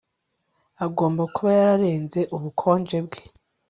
agomba kuba yararenze ubukonje bwe